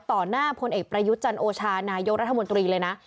ต่อหน้าพลเอกประยุทธ์จันโอชานายกรัฐมนตรีเลยนะ